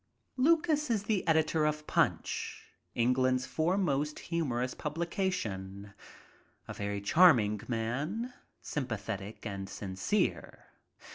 Lucas is the editor of Punch, England's foremost humorous publication. A very charming man, sympathetic and sincere.